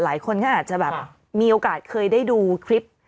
หลายคนก็อาจจะแบบมีโอกาสเคยได้ดูคลิป